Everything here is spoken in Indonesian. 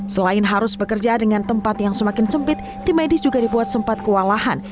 selain harus bekerja dengan tempat yang semakin sempit tim medis juga dibuat sempat kewalahan